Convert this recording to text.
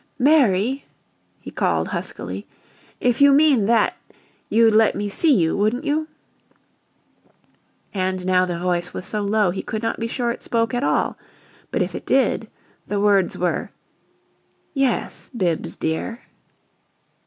"Mary?" he called, huskily. "If you mean THAT you'd let me see you wouldn't you?" And now the voice was so low he could not be sure it spoke at all, but if it did, the words were, "Yes, Bibbs dear."